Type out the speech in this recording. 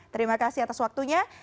terima kasih atas waktunya